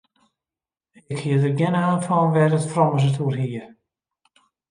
Ik hie der gjin aan fan wêr't it frommes it oer hie.